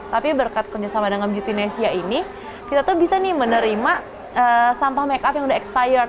tapi berkat kerjasama dengan beautynesia ini kita tuh bisa menerima sampah makeup yang sudah expired